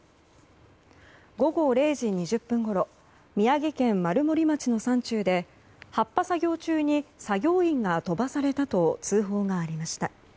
午後０時２０分ごろ宮城県丸森町の山中で発破作業中に作業員が飛ばされたと通報がありました。